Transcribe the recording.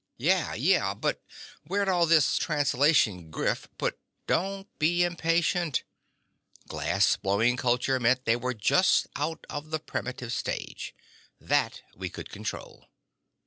"Yeah, yeah. But where'd all this translation griff put—" "Don't be impatient. Glass blowing culture meant they were just out of the primitive stage. That, we could control.